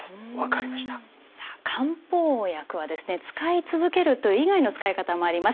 さあ漢方薬は使い続けるという以外の使い方もあります。